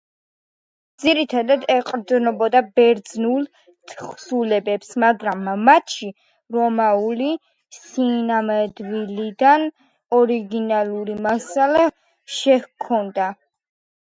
ძირითადად ეყრდნობოდა ბერძნულ თხზულებებს, მაგრამ მათში რომაული სინამდვილიდან ორიგინალური მასალა შეჰქონდა.